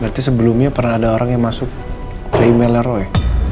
berarti sebelumnya pernah ada orang yang masuk ke emailnya roy